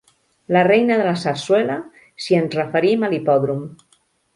La reina de la Sarsuela, si ens referim a l'hipòdrom.